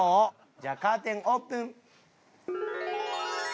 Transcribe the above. じゃあカーテンオープン。